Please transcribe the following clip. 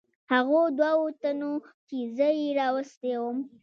هغو دوو تنو چې زه یې راوستی ووم.